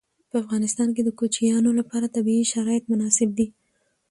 په افغانستان کې د کوچیانو لپاره طبیعي شرایط مناسب دي.